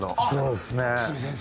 そうですね。